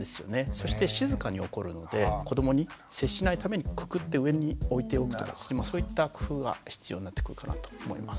そして静かに起こるので子どもに接しないためにくくって上に置いておくとかそういった工夫は必要になってくるかなと思います。